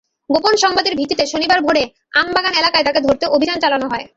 গোপন সংবাদের ভিত্তিতে শনিবার ভোরে আমবাগান এলাকায় তাঁকে ধরতে অভিযান চালানো হয়।